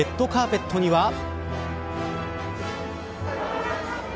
そして、レッドカーペットには。